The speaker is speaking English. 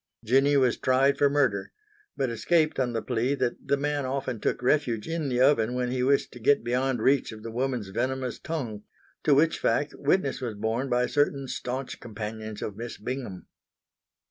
Jinny was tried for murder, but escaped on the plea that the man often took refuge in the oven when he wished to get beyond reach of the woman's venomous tongue, to which fact witness was borne by certain staunch companions of Miss Bingham.